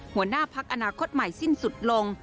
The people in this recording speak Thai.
หัวหน้าพักอนาคตใหม่สิ้นสุดลง